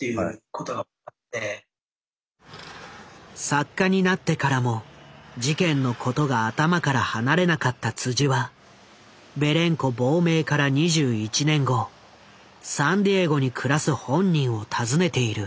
作家になってからも事件のことが頭から離れなかったはベレンコ亡命から２１年後サンディエゴに暮らす本人を訪ねている。